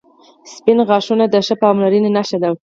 • سپین غاښونه د ښې پاملرنې نښه ده.